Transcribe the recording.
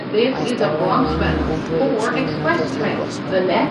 Hasta ahora no hay ninguna traducción en otras lenguas.